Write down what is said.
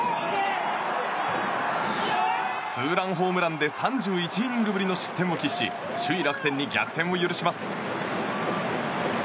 ツーランホームランで３１イニングぶりの失点を喫し首位、楽天に逆転を許します。